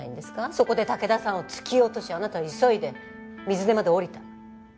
そこで竹田さんを突き落としあなたは急いで水根まで下りた。